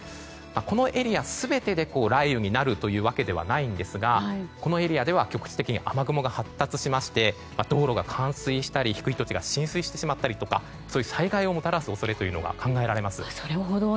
このエリア全てで雷雨になるわけではないんですがこのエリアでは局地的に雨雲が発達しまして道路が冠水したり、低い土地が浸水してしまったりとかそういう災害をもたらす恐れが考えられます。